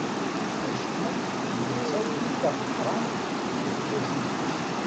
Acku d nettat i d tameqqrant deg twacult-is.